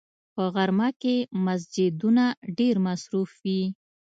په غرمه کې مسجدونه ډېر مصروف وي